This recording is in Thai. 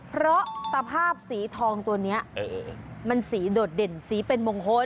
เพราะตะภาพสีทองตัวนี้มันสีโดดเด่นสีเป็นมงคล